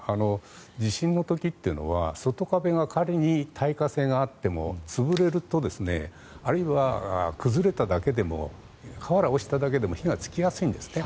地震の時というのは外壁が仮に耐火性があっても潰れるとあるいは崩れただけでも瓦が落ちただけでも火がつきやすいんですね。